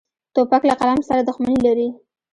توپک له قلم سره دښمني لري.